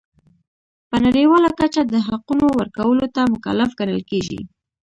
په نړیواله کچه د حقونو ورکولو ته مکلف ګڼل کیږي.